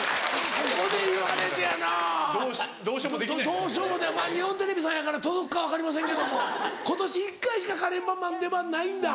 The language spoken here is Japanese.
どうしようも日本テレビさんやから届くか分かりませんけども今年１回しかカレーパンマン出番ないんだ。